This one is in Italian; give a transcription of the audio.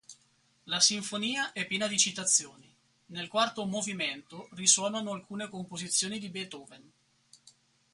La sinfonia è piena di citazioni: nel quarto movimento risuonano alcune composizioni di Beethoven.